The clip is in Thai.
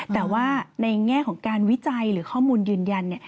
แต่ว่าในแง่ของการวิจัยหรือข้อมูลยืนยัน